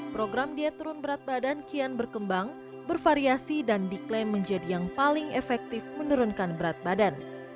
program diet turun berat badan kian berkembang bervariasi dan diklaim menjadi yang paling efektif menurunkan berat badan